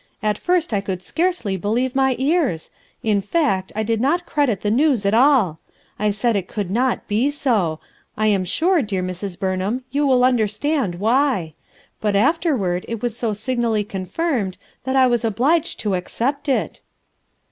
At first I could scarcely believe my ears; in fact, I did not credit the news at all; I said it could not be so; I am sure, dear Mrs. Burnham, you will understand why. But afterward it was so signally con firmed that I was obliged to accept it."